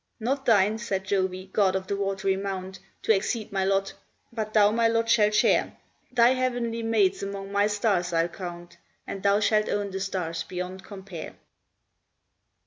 "Not thine," said Jove, "god of the watery mount, To exceed my lot; but thou my lot shalt share: Thy heavenly maids among my stars I'll count, And thou shalt own the stars beyond compare!"